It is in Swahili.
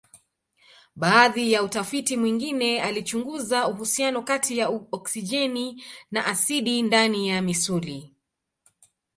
Baadhi ya utafiti mwingine alichunguza uhusiano kati ya oksijeni na asidi ndani ya misuli.